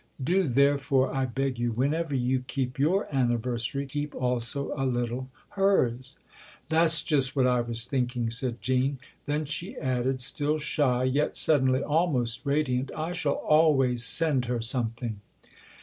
Do, therefore, I beg you, whenever you keep you anniversary, keep also a little hers." " That's just what I was thinking," said Jean. Then she added, still shy, yet suddenly almost radiant :" I shall always send her something